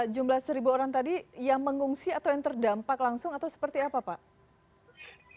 jumlah seribu orang tadi yang mengungsi atau yang terdampak langsung atau seperti apa pak